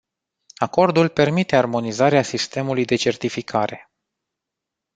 Acordul permite armonizarea sistemului de certificare.